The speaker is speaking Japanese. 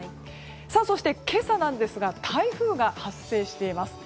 そして今朝なんですが台風が発生しています。